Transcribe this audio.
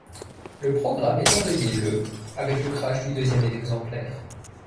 Le programme est endeuillé le avec le crash du deuxième exemplaire.